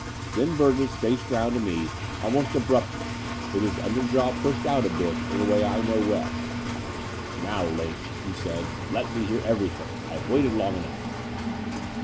Then Burgess faced rotmd to me almost The Dower House 223 abruptly, with his under jaw pushed out a bit in a way I know well. "Now, Line," he said, "let me hear everything. I have waited long enough."